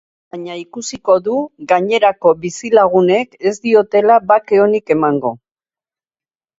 Baina ikusiko du gainerako bizilagunek ez diotela bake onik emango.